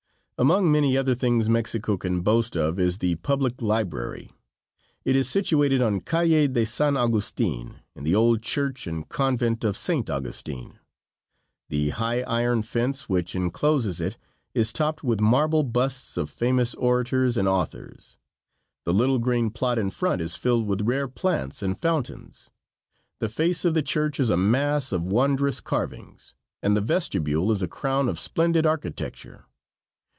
Among many other things Mexico can boast of is the public library. It is situated on Calle de San Augustin, in the old church and convent of Saint Augustin. The high iron fence which incloses it is topped with marble busts of famous orators and authors. The little green plot in front is filled with rare plants and fountains. The face of the church is a mass of wondrous carvings, and the vestibule is a crown of splendid architecture.